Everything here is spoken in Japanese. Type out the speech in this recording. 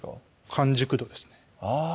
完熟度ですねあぁ